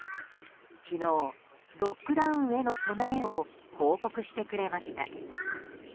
昨日、ロックダウンへの備えを報告してくれました。